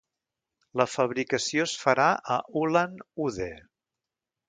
La fabricació es farà a Ulan-Ude.